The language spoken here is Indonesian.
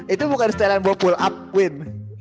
itu bukan setelan bahwa pull up win